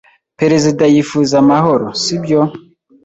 Perezida yifuza amahoro, si byo?